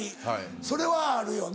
それはあるよね。